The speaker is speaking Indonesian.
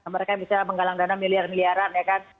mereka bisa menggalang dana miliar miliaran ya kan